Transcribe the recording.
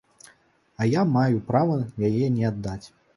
А я маю права яе не аддаць.